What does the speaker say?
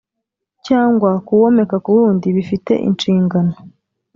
cyangwa kuwomeka ku wundi bifite inshingano